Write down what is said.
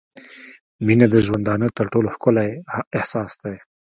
• مینه د ژوندانه تر ټولو ښکلی احساس دی.